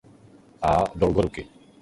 A. Dolgorukovi.